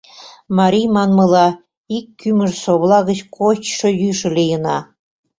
Марий манмыла, ик кӱмыж-совла гыч кочшо-йӱшӧ лийына!